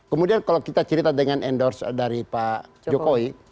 kemudian kalau kita cerita dengan endorse dari pak jokowi